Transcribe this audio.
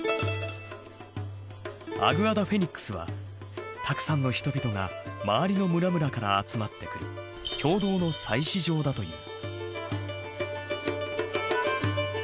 アグアダ・フェニックスはたくさんの人々が周りの村々から集まってくる共同の祭祀場だという。